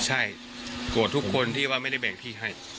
ใช่โกรธทุกคนที่ว่าไม่ได้แบ่งที่ให้